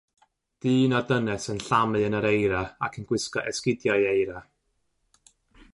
Dyn a dynes yn llamu yn yr eira ac yn gwisgo esgidiau eira.